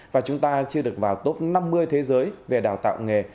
và chúng ta chưa được vào top năm mươi thế giới về đào tạo nghề